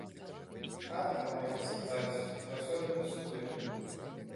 Хата, можна сказаць, заўсёды пустуе.